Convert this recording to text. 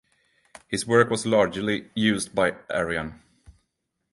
His work was largely used by Arrian.